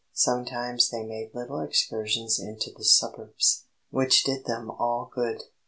Sometimes they made little excursions into the suburbs, which did them all good.